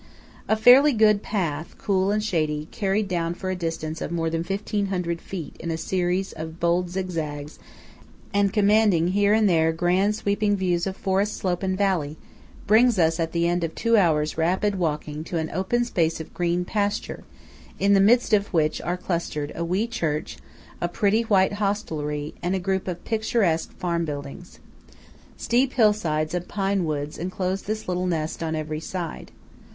A fairly good path, cool and shady, carried down for a distance of more than 1500 feet in a series of bold zigzags, and commanding here and there grand sweeping views of forest slope and valley, brings us at the end of two hours' rapid walking to an open space of green pasture, in the midst of which are clustered a wee church, a pretty white hostelry, and a group of picturesque farm buildings. Steep hillsides of pine woods enclose this little nest on every side.